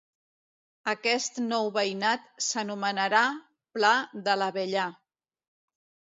Aquest nou veïnat s'anomenarà Pla de l'Avellà.